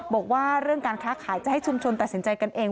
บอกว่าเรื่องการค้าขายจะให้ชุมชนตัดสินใจกันเอง